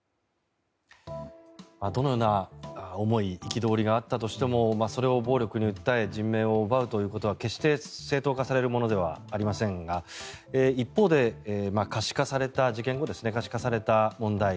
どのような思い憤りがあったとしてもそれを暴力に訴え人命を奪うということは決して正当化されるものではありませんが一方で、事件後可視化された問題。